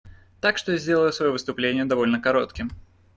Так что я сделаю свое выступление довольно коротким.